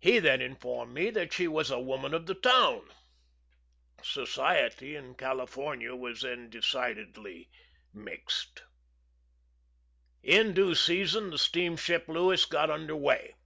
He then informed me that she was a woman of the town. Society in California was then decidedly mixed. In due season the steamship Lewis got under weigh.